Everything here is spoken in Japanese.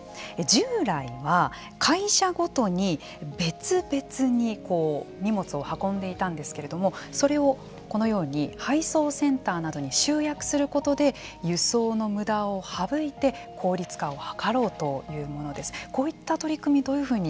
従来は会社ごとに別々に荷物を運んでいたんですけれどもそれをこのように配送センターなどに集約することで輸送のむだを省いて効率化を図ろうというものです。